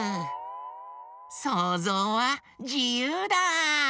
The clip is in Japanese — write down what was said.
そうぞうはじゆうだ！